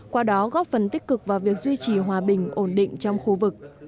qua đó góp phần tích cực vào việc duy trì hòa bình ổn định trong khu vực